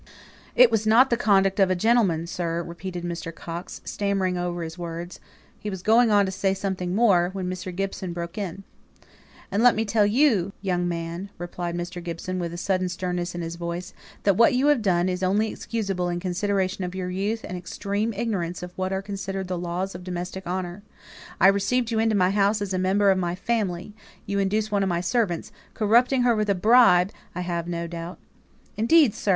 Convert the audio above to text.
"It was not the conduct of a gentleman, sir," repeated Mr. Coxe, stammering over his words he was going on to say something more, when Mr. Gibson broke in, "And let me tell you, young man," replied Mr. Gibson, with a sudden sternness in his voice, "that what you have done is only excusable in consideration of your youth and extreme ignorance of what are considered the laws of domestic honour. I receive you into my house as a member of my family you induce one of my servants corrupting her with a bribe, I have no doubt " "Indeed, sir!